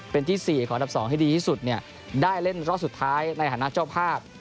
เป็นที่๔ของที่ดับ๒ที่ดีที่สุดได้เล่นรอบสุดท้ายในอาจารย์หน้าเจ้าภาพ